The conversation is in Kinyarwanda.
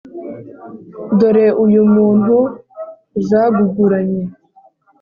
Dore uyu muntu zaguguranye